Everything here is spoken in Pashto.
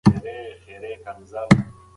دا پېښه موږ ته راښيي چې لوی مشران څنګه فکر کوي.